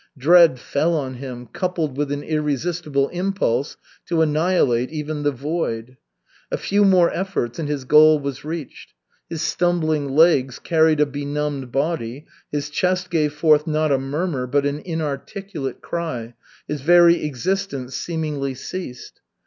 Dread fell on him, coupled with an irresistible impulse to annihilate even the void. A few more efforts, and his goal was reached. His stumbling legs carried a benumbed body, his chest gave forth not a murmur but an inarticulate cry, his very existence seemingly ceased.